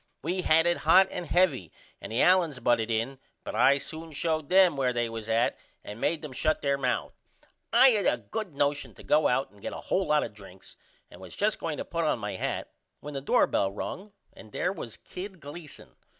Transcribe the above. We had it hot and heavy and the Allens butted in but I soon showed them where they was at and made them shut there mouth. I had a good nosion to go out and get a hole lot of drinks and was just going to put on my hat when the doorbell rung and there was Kid Gleason.